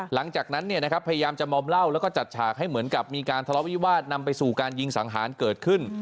หลังจากนั้นพยายามจะมอมเหล้าแล้วก็จัดฉากให้เหมือนกับมีการทะเลาะวิวาสนำไปสู่การยิงสังหารเกิดขึ้น